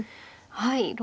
はい。